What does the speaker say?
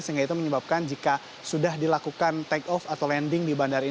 sehingga itu menyebabkan jika sudah dilakukan take off atau landing di bandara ini